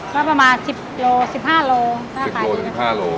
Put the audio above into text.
ก็ประมาณ๑๕โล